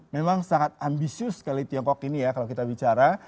memang sangat ambisius sekali tiongkok ini ya kalau kita bicara